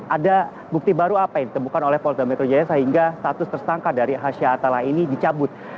ada bukti baru apa yang ditemukan oleh polda metro jaya sehingga status tersangka dari hasha atala ini dicabut